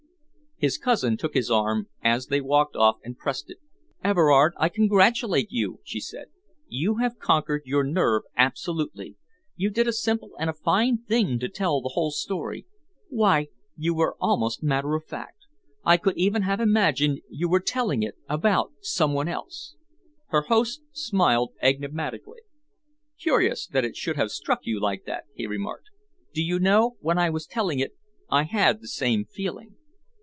His cousin took his arm as they walked off and pressed it. "Everard, I congratulate you," she said. "You have conquered your nerve absolutely. You did a simple and a fine thing to tell the whole story. Why, you were almost matter of fact. I could even have imagined you were telling it about some one else." Her host smiled enigmatically. "Curious that it should have struck you like that," he remarked. "Do you know, when I was telling it I had the same feeling.